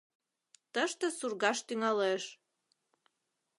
Тыште сургаш тӱҥалеш